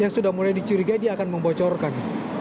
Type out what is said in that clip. yang sudah mulai dicurigai dia akan membocorkan